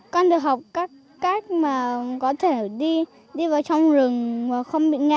con được học các cách mà có thể đi vào trong rừng mà không bị ngã